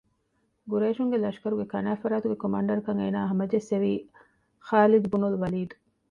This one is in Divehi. ޤުރައިޝުންގެ ލަޝްކަރުގެ ކަނާތްފަރާތުގެ ކޮމާންޑަރަކަށް އޭނާ ހަމަޖެއްސެވީ ޚާލިދުބުނުލް ވަލީދު